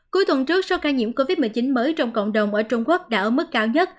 cuối tuần trước số ca nhiễm covid một mươi chín mới trong cộng đồng ở trung quốc đã ở mức cao nhất